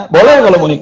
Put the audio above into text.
boleh ya kalau mau ikut